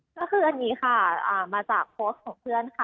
ก็คืออันนี้ค่ะมาจากโพสต์ของเพื่อนค่ะ